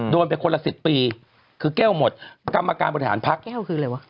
โดนไปคนละ๑๐ปีคือแก้วหมดกรรมการบริหารพักแก้วคืออะไรวะ